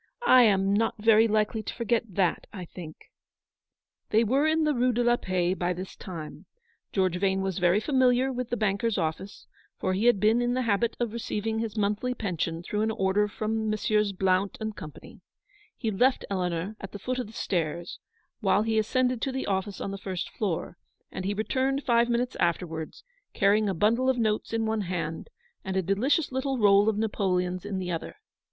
I am not very likely to forget that, I think." They were in the Rue de la Paix by this time. George Vane was very familiar with the banker's office, for he had been in the habit of receiving UPON THE THRESHOLD OF A GREAT SORROW. 73 his monthly pension through an order on Messrs. Blount & Co. He left Eleanor at the foot of the stairs, while he ascended to the office on the first floor; and he returned five minutes afterwards, carrying a bundle of notes in one hand, and a delicious little roll of napoleons in the other.